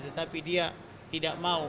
tetapi dia tidak mau